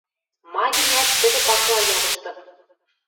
Ма гӹнят, тӹдӹ пакыла ядыштын: